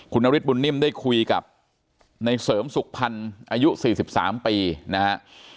คุณนฤทธบุญนิ่มได้คุยกับในเสริมสุขพันธ์อายุ๔๓ปีนะฮะ